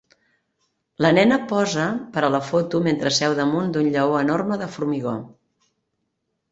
La nena posa per a la foto mentre seu damunt d'un lleó enorme de formigó.